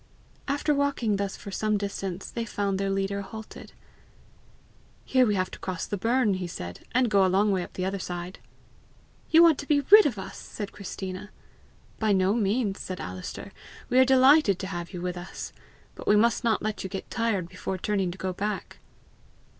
After walking thus for some distance, they found their leader halted. "Here we have to cross the burn," he said, "and go a long way up the other side." "You want to be rid of us!" said Christina. "By no means," replied Alister. "We are delighted to have you with us. But we must not let you get tired before turning to go back."